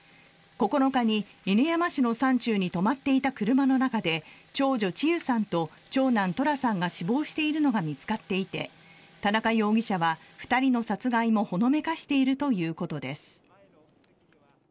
９日に犬山市の山中に止まっていた車の中で長女・千結さんと長男・十楽さんが死亡しているのが見つかっていて田中容疑者は、２人の殺害もほのめかしているということです。